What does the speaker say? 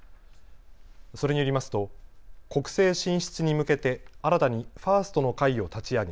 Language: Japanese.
それによりますと国政進出に向けて新たにファーストの会を立ち上げ